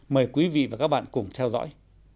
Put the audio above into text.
mời quý vị và các bạn cùng theo dõi